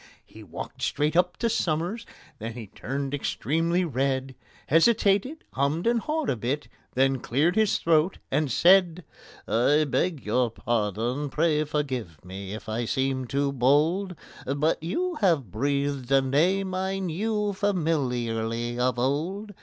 He walked straight up to SOMERS, then he turned extremely red, Hesitated, hummed and hawed a bit, then cleared his throat, and said: "I beg your pardon—pray forgive me if I seem too bold, But you have breathed a name I knew familiarly of old.